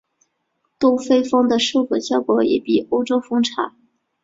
东非蜂的授粉效果也比欧洲蜂差。